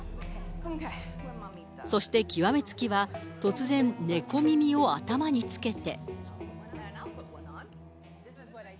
そして極め付きは突然、猫耳を頭に着けて。